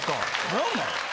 何なん？